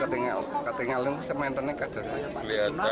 ketinggalan sementernya kejar